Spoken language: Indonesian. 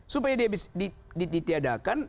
supaya dia bisa ditiadakan